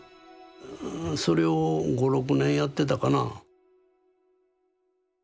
それを５６年やってたかな。